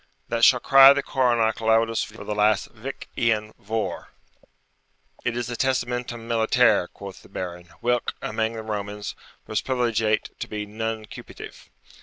] that shall cry the coronach loudest for the last Vich lan Vohr.' 'It is the testamentum militare,' quoth the Baron, 'whilk, amang the Romans, was privilegiate to be nuncupative.'